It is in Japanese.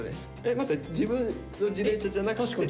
待って自分の自転車じゃなくて？